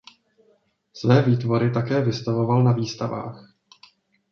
Své výtvory také vystavoval na výstavách.